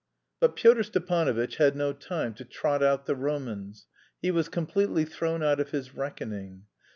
But Pyotr Stepanovitch had no time to trot out the Romans; he was completely thrown out of his reckoning.